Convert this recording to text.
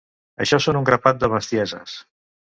Això són un grapat de bestieses.